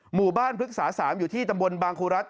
หมู่บ้านพฤกษา๓อยู่ที่ตำบลบางครูรัฐ